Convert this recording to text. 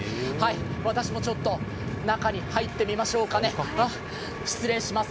私も、ちょっと中に入ってみましょうかね。